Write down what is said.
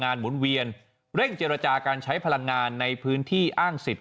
หมุนเวียนเร่งเจรจาการใช้พลังงานในพื้นที่อ้างสิทธิ